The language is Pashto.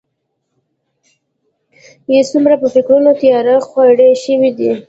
يې څومره په فکرونو تيارې خورې شوي دي.